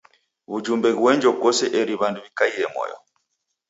W'ujumbe ghuenjo kose eri w'andu w'ikaie moyo.